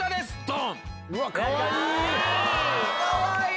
かわいい！